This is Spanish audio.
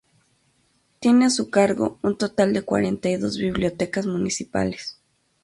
Tiene a su cargo un total de cuarenta y dos bibliotecas municipales.